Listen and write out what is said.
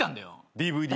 ＤＶＤ。